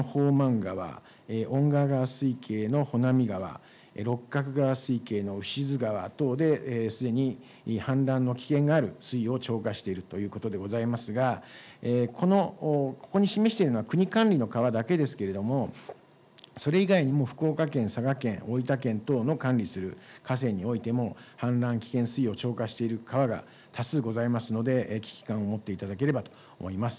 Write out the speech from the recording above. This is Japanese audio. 氾濫が発生している川のほか、筑後川水系の宝満川、遠賀川水系のほなみ川、ろっかく川水系の牛津川等で、すでに氾濫の危険がある水位を超過しているということでございますが、ここに示しているのは国管理の川だけですけれども、それ以外にも福岡県、佐賀県、大分県等の管理する河川においても氾濫危険水位を超過している川が多数ございますので、危機感を持っていただければと思います。